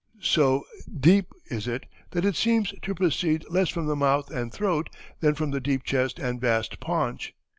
So deep is it that it seems to proceed less from the mouth and throat than from the deep chest and vast paunch.